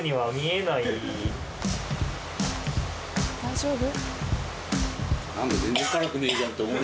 大丈夫？